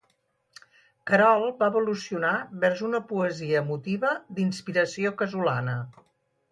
Querol va evolucionar vers una poesia emotiva d'inspiració casolana.